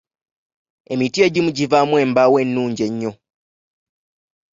Emiti egimu givaamu embaawo ennungi ennyo.